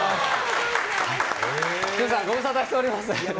ご無沙汰しております。